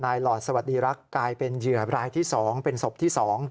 หลอดสวัสดีรักษ์กลายเป็นเหยื่อรายที่๒เป็นศพที่๒